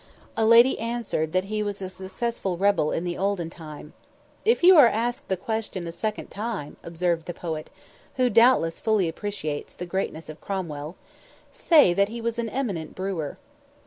A lady answered that he was a successful rebel in the olden time! "If you are asked the question a second time," observed the poet, who doubtless fully appreciates the greatness of Cromwell, "say that he was an eminent brewer."